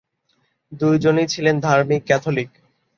দুজনই ছিলেন ধার্মিক ক্যাথলিক।